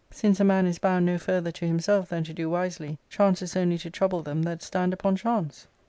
Since a man is bound no further to himself than to do wisely, chance is only to trouble them that stand upon chance.